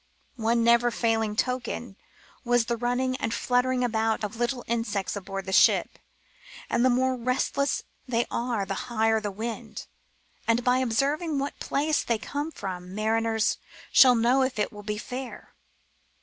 One never failing token '* was the running and fluttering about of little insects aboard the ship, and the more restless they are the higher the wind, and by observing what place they come from mariners shall know if it will be fair."